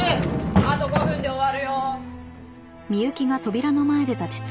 あと５分で終わるよ。